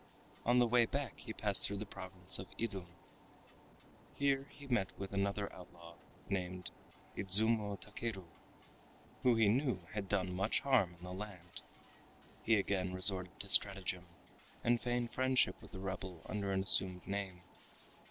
On the way back he passed through the province of Idum. Here he met with another outlaw named Idzumo Takeru who he knew had done much harm in the land. He again resorted to stratagem, and feigned friendship with the rebel under an assumed name.